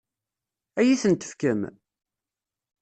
Ad iyi-ten-tefkem?